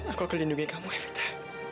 aku akan lindungi kamu evita